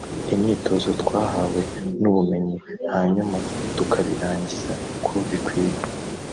imyitozo twahawe n’ ubumenyi hanyuma tukabirangiza uko bikwiye